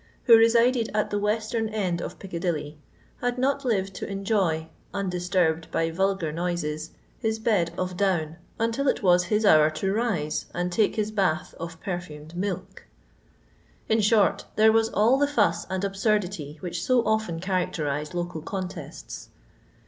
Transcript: who resided at the western end of PiocadiUy, had not lived to enjoy, undisturbed by volgar noises, his had of down, until it was his hour to rise and take his bath of perfomed milk 1 In short, there was all the iius and absurdity which so often ohamcterise looal conteats.